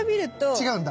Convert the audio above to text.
違うんだ？